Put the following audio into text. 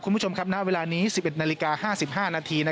คุณผู้ชมครับณเวลานี้๑๑นาฬิกา๕๕นาที